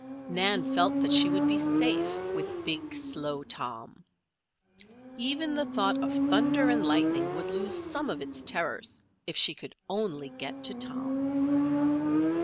Nan felt that she would be safe with big, slow Tom. Even the thought of thunder and lightning would lose some of its terrors if she could only get to Tom.